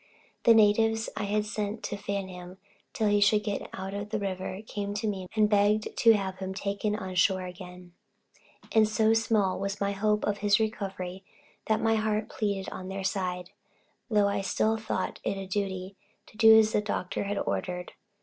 The natives I had sent to fan him till he should get out of the river, came to me and begged to have him taken on shore again: and so small was my hope of his recovery, that my heart pleaded on their side, though I still thought it a duty to do as the doctor had ordered.